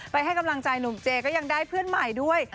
ให้กำลังใจหนุ่มเจก็ยังได้เพื่อนใหม่ด้วย